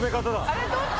あれどっち？